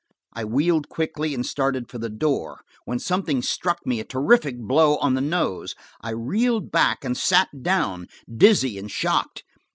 I wheeled quickly and started for the door, when something struck me a terrific blow on the nose. I reeled back and sat down, dizzy and shocked.